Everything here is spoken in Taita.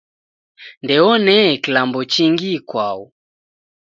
Ndeone kilambo chingi ikwau